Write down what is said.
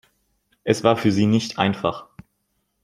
Es war für sie nicht einfach.